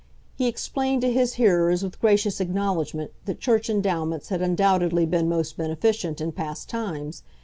He explained to his hearers with gracious acknowledgment that Church endowments had undoubtedly been most beneficent in past times.